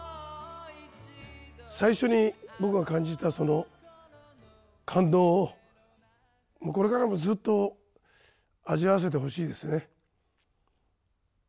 最初に僕が感じたその感動をこれからもずっと味わわせてほしいですね。